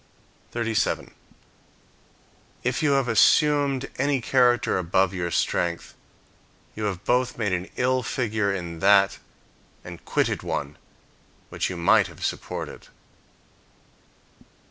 37. If you have assumed any character above your strength, you have both made an ill figure in that and quitted one which you might have supported.